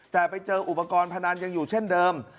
แต่ไปเจออุปกรณ์พนันยังอยู่เช่นเดิม